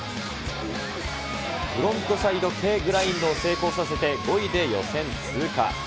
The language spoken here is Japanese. フロントサイドＫグラインドを成功させて、５位で予選通過。